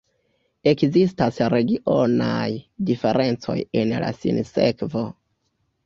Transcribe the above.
Ekzistas regionaj diferencoj en la sinsekvo.